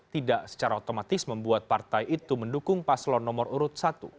tidak secara otomatis membuat partai itu mendukung paslon nomor urut satu